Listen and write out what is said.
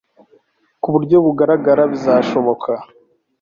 ku buryo bugaragara bizashoboka